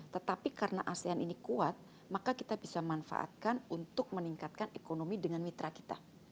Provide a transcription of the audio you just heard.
tetapi karena asean ini kuat maka kita bisa manfaatkan untuk meningkatkan ekonomi dengan mitra kita